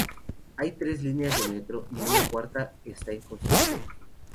Hay tres líneas de metro y una cuarta está en construcción.